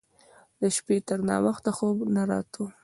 د شپې تر ناوخته خوب نه راته.